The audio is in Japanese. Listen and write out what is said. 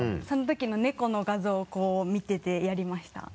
その時の猫の画像をこう見ててやりました。